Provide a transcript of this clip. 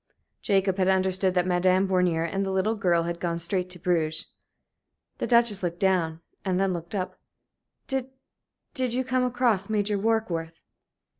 Jacob had understood that Madame Bornier and the little girl had gone straight to Bruges. The Duchess looked down and then looked up. "Did did you come across Major Warkworth?"